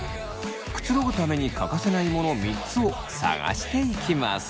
くつろぐために欠かせないモノ３つを探していきます！